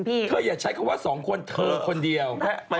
เธออย่าใช้คำว่าสองคนเธอคนเดียว